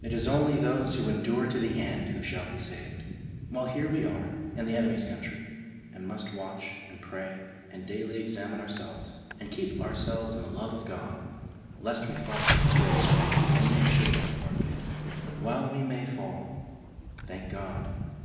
It is only those who endure to the end who shall be saved. While here we are in the enemy's country, and must watch and pray and daily examine ourselves, and keep ourselves in the love of God lest we fall from His grace, and make shipwreck of our faith. But while we may fall, thank God